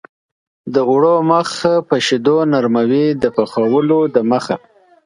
د اوړو مخ په شیدو نرموي د پخولو دمخه.